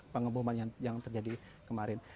pengeboman yang terjadi kemarin